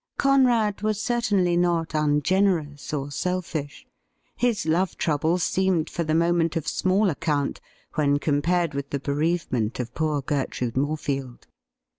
Conrad was certainly not ungenerous or selfish. His love troubles seemed for the moment of small account when compared with the bereavement of poor Gertrude More field.